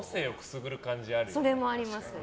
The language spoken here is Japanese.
それもあります。